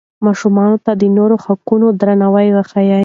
ماشومانو ته د نورو د حقونو درناوی وښایئ.